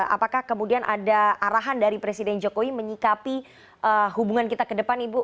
apakah kemudian ada arahan dari presiden jokowi menyikapi hubungan kita ke depan ibu